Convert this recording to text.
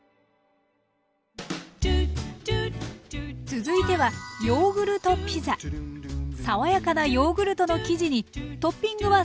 続いては爽やかなヨーグルトの生地にトッピングは３種類のチーズだけ！